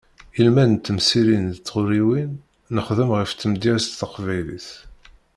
Ilmend n temsirin d tɣuriwin nexdem ɣef tmedyazt taqbaylit.